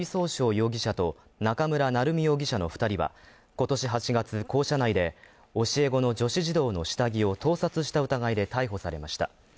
容疑者と中村成美容疑者の２人は今年８月、校舎内で、教え子の女子児童の下着を盗撮した疑いで逮捕されました。